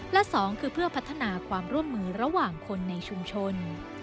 และสองคือเพื่อพัฒนาความร่วมมือระหว่างคนในชุมชน